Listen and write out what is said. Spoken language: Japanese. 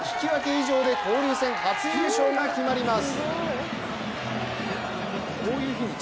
以上で交流戦初優勝が決まります。